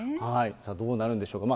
どうなるんでしょうか。